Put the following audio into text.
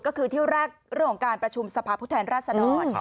ก็คือที่แรกเรื่องของการประชุมสภาพผู้แทนราชดร